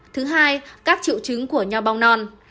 thứ hai các triệu chứng của nho bong non